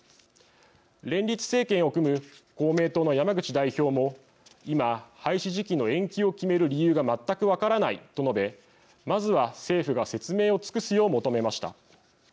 連立政権を組む公明党の山口代表も「今、廃止時期の延期を決める理由が全く分からない」と述べまずは政府が説明を尽くすよう求めました。